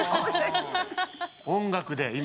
音楽で今。